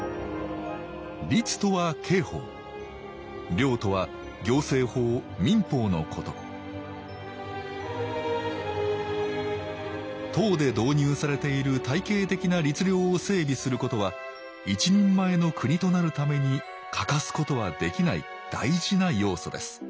令とは行政法・民法のこと唐で導入されている体系的な律令を整備することは一人前の国となるために欠かすことはできない大事な要素です